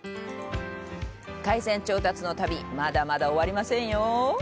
海鮮調達の旅まだ終わりませんよ！